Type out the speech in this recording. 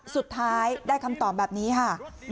สุดท้ายได้คำตอบแบบนี้ค่ะ